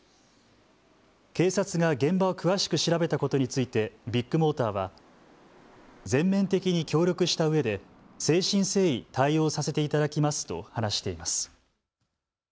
警察が現場を詳しく調べたことについてビッグモーターは全面的に協力したうえで誠心誠意対応させていただきますと話しています。